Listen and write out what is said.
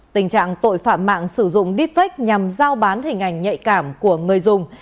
tình trạng tội phạm mạng sử dụng defect nhằm giao bán hình ảnh nhạy cảm của người dùng